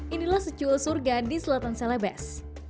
inilah secul surga di selatan selebes